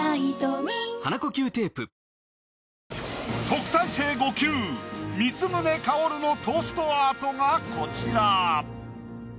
特待生５級光宗薫のトーストアートがこちら。